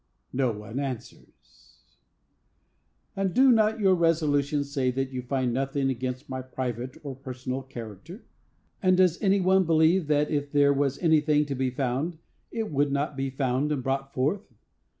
—No one answers. "And do not your resolutions say that you find nothing against my private or personal character? And does any one believe that, if there was anything to be found, it would not be found and brought forth?